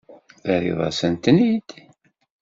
Terriḍ-asen-ten-id?